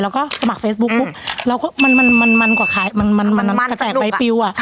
เราก็สมัครเฟซบุ๊กเราก็มันกว่าขายมันกระแจกใบปิ๊วอะ